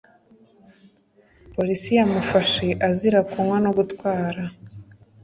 polisi yamufashe azira kunywa no gutwara.